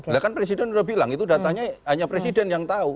ya kan presiden sudah bilang itu datanya hanya presiden yang tahu